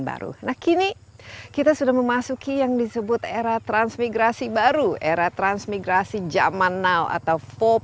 baru nah kini kita sudah memasuki yang disebut era transmigrasi baru era transmigrasi zaman now atau empat